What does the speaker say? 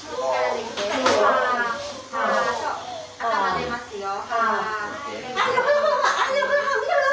おめでとうございます！